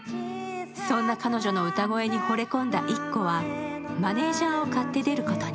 そんな彼女の歌声にほれ込んだイッコはマネージャーを買って出ることに。